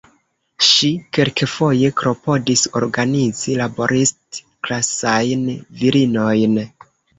Ŝi kelkfoje klopodis organizi laborist-klasajn virinojn.